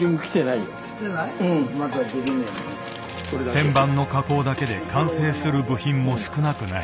旋盤の加工だけで完成する部品も少なくない。